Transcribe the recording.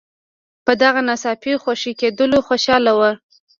په دغه ناڅاپي خوشي کېدلو خوشاله ول.